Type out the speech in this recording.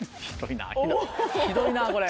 ひどいなこれ。